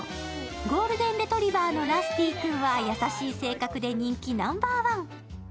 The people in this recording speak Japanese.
ゴールデンレトリバーのラスティ君は優しい性格で人気ナンバーワン。